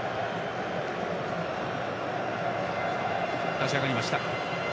立ち上がりました。